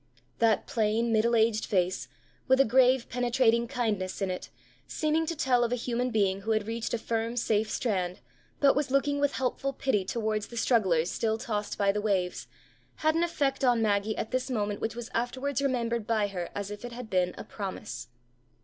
'That plain, middle aged face, with a grave, penetrating kindness in it, seeming to tell of a human being who had reached a firm, safe strand, but was looking with helpful pity towards the strugglers still tossed by the waves, had an effect on Maggie at this moment which was afterwards remembered by her as if it had been a promise.'